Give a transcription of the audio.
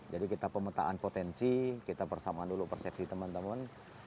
jadi kita pemetaan potensi kita persamaan dulu persepsi teman teman